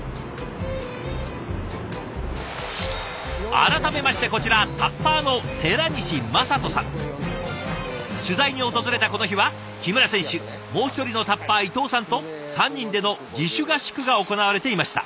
改めましてこちら取材に訪れたこの日は木村選手もう一人のタッパー伊藤さんと３人での自主合宿が行われていました。